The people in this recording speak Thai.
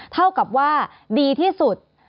เท่ากับว่าดีที่สุด